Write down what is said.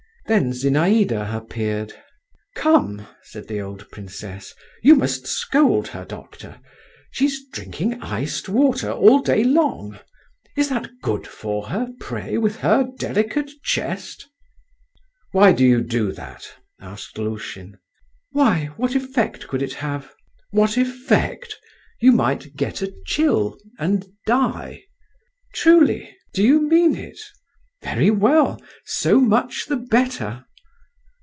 Then Zinaïda appeared. "Come," said the old princess, "you must scold her, doctor. She's drinking iced water all day long; is that good for her, pray, with her delicate chest?" "Why do you do that?" asked Lushin. "Why, what effect could it have?" "What effect? You might get a chill and die." "Truly? Do you mean it? Very well—so much the better."